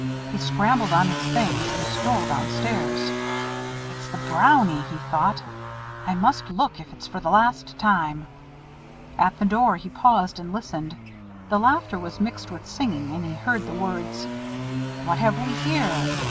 He scrambled on his things and stole down stairs. "It's the Brownie," he thought; "I must look, if it's for the last time." At the door he paused and listened. The laughter was mixed with singing, and he heard the words "What have we here?